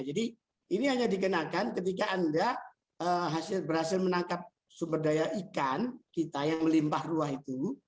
jadi ini hanya dikenakan ketika anda berhasil menangkap sumber daya ikan kita yang melimpah ruah itu